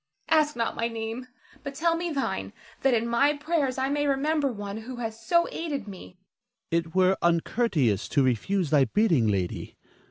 Ask not my name, but tell me thine, that in my prayers I may remember one who has so aided me. Ernest. It were uncourteous to refuse thy bidding, lady.